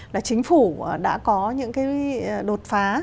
là chính phủ đã có những cái đột phá